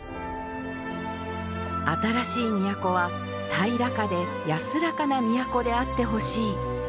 新しい都は平らかで安らかな都であってほしい。